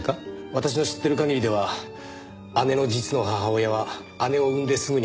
私の知ってる限りでは姉の実の母親は姉を産んですぐに亡くなったとか。